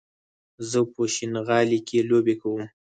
زه په شينغالي کې لوبې کوم